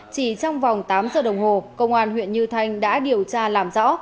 chỉ trong vòng tám giờ đồng hồ công an huyện như thanh đã điều tra làm rõ